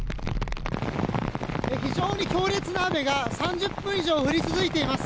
非常に強烈な雨が３０分以上降り続いています。